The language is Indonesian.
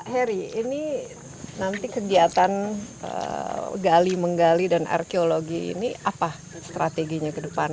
heri ini nanti kegiatan gali menggali dan arkeologi ini apa strateginya ke depan